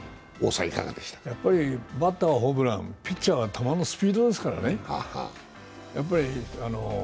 やっぱりバッターはホームラン、ピッチャーは球のスピードですからね。